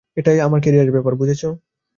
এটাই আমার ক্যারিয়ারের ব্যাপার, বুঝেছো?